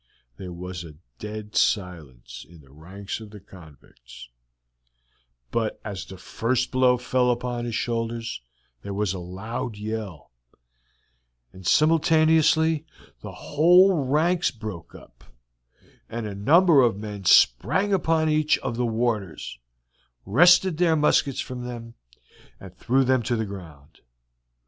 There was a dead silence in the ranks of the convicts, but as the first blow fell upon his shoulders there was a loud yell, and simultaneously the whole ranks broke up, and a number of men sprang upon each of the warders, wrested their muskets from them, and threw them to the ground.